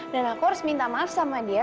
dan aku harus minta maaf sama dia